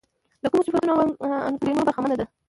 له کومو صفتونو او انګېرنو برخمنه ده.